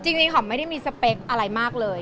จริงหอมไม่ได้มีสเปคอะไรมากเลย